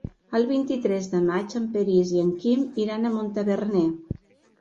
El vint-i-tres de maig en Peris i en Quim iran a Montaverner.